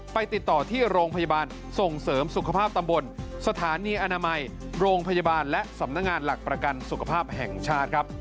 ติดต่อที่โรงพยาบาลส่งเสริมสุขภาพตำบลสถานีอนามัยโรงพยาบาลและสำนักงานหลักประกันสุขภาพแห่งชาติครับ